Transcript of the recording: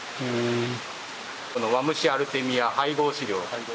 ワムシアルテミア配合飼料。